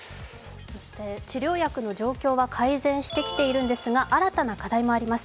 治療薬の状況は改善してきているんですが新たな課題もあります。